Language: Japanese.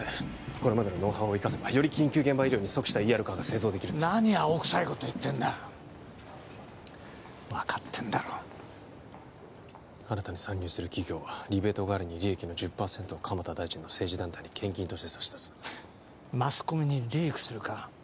これまでのノウハウを生かせばより緊急現場医療に即したＥＲカーが製造できるんです何青くさいこと言ってんだ分かってんだろ新たに参入する企業はリベート代わりに利益の１０％を蒲田大臣の政治団体に献金として差し出すマスコミにリークするか？